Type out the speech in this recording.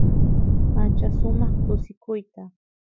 ancha sumaq kusikuyta